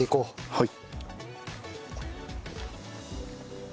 はい。